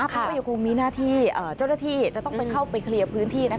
เพราะว่ายังคงมีหน้าที่เจ้าหน้าที่จะต้องไปเข้าไปเคลียร์พื้นที่